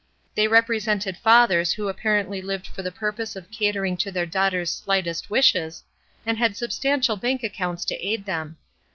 They represented fathers who apparently lived for the purpose of catering to their daughters, slightest wishes, and had substantial bank accounts to aid them.